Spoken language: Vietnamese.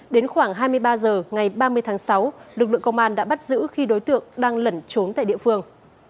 đến khoảng hai mươi ba h ngày ba mươi tháng sáu lực lượng công an đã bắt giữ khi đối tượng đang lẩn trốn tại địa phương